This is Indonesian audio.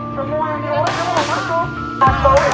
semuanya orang yang menyentuh